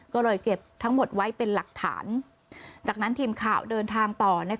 ก็เลยเก็บทั้งหมดไว้เป็นหลักฐานจากนั้นทีมข่าวเดินทางต่อ